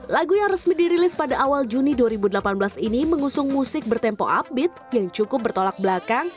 lagu yang resmi dirilis pada awal juni dua ribu delapan belas ini mengusung musik bertempo upbeat yang cukup bertolak belakang